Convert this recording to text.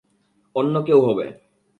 অন্য কেউ হবে।